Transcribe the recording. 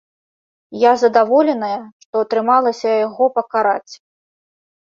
Я задаволеная, што атрымалася яго пакараць.